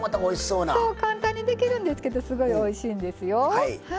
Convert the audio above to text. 簡単にできるんですけどすごいおいしいんですよ。